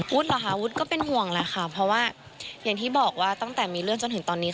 เหรอคะวุฒิก็เป็นห่วงแหละค่ะเพราะว่าอย่างที่บอกว่าตั้งแต่มีเรื่องจนถึงตอนนี้